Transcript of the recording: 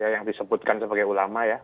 yang disebutkan sebagai ulama ya